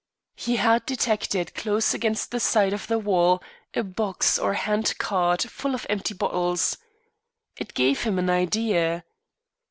He had detected close against the side of the wall, a box or hand cart full of empty bottles. It gave him an idea.